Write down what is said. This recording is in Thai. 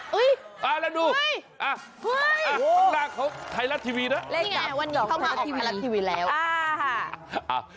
เฮ้ยอ้าตรงหน้าของไทยรัสทีวีนะนี่ไงวันนี้เขามาออกไทยรัสทีวีแล้วอ่า